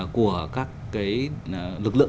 của các cái lực lượng